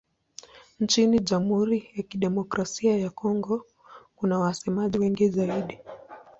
Nchini Jamhuri ya Kidemokrasia ya Kongo kuna wasemaji wengi zaidi.